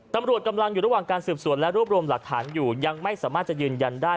ตำรวจกำลังอยู่ระหว่างการสืบสวนและรวบรวมหลักฐานอยู่ยังไม่สามารถจะยืนยันได้